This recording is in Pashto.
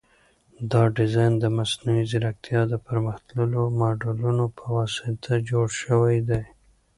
دا ډیزاین د مصنوعي ځیرکتیا د پرمختللو ماډلونو په واسطه جوړ شوی دی.